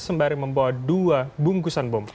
sembari membawa dua bungkusan bom